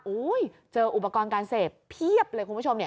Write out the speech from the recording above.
โอ้ยเจออุปกรณ์การเสพเพียบเลยคุณผู้ชม